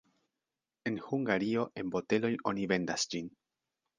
En Hungario en boteloj oni vendas ĝin.